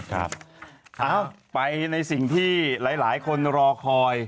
เอ้าไปในสิ่งที่หลายคนรอคอย